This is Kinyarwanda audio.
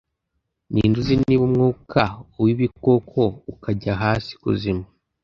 ni nde uzi niba umwuka uw'ibikoko ukajya hasi ikuzimu